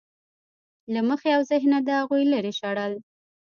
له مخې او ذهنه د هغوی لرې شړل.